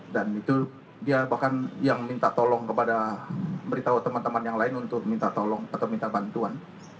dan itu dia bahkan yang minta tolong kepada beritahu teman teman yang lain untuk minta tolong atau minta bantuan